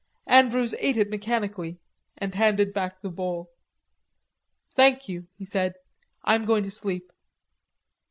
Andrews ate it mechanically, and handed back the bowl. "Thank you," he said, "I am going to sleep."